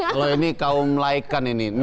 kalau ini kaum laikan ini enam ratus tahun ini